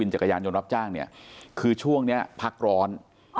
จักรยานยนต์รับจ้างเนี่ยคือช่วงนี้พักร้อน